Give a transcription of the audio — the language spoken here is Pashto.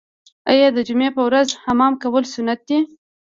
آیا د جمعې په ورځ حمام کول سنت نه دي؟